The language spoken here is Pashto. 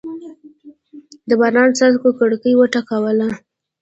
د باران څاڅکو کړکۍ وټکوله.